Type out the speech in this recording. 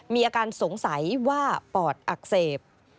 มีอาการสงสัยว่าปอดอักเสบ